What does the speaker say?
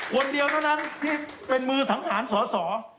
คนเดียวเท่านั้นที่เป็นมือสังหารสอสอ